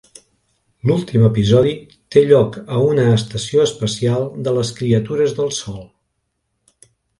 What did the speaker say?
L'últim episodi té lloc a una estació espacial de les criatures del Sol.